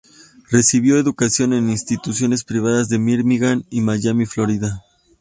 Recibió educación en instituciones privadas de Birmingham y Miami, Florida.